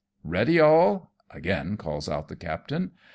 " Ready, all ?" again calls out the captain.